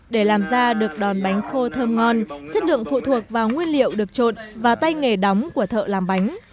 để làm ra được đòn bánh khô thơm ngon chất lượng phụ thuộc vào nguyên liệu được trộn và tay nghề đóng của thợ làm bánh